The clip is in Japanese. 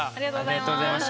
ありがとうございます。